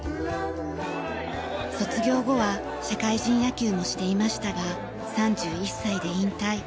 卒業後は社会人野球もしていましたが３１歳で引退。